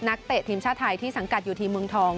เตะทีมชาติไทยที่สังกัดอยู่ที่เมืองทอง